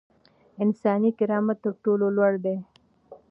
انساني کرامت تر ټولو لوړ دی.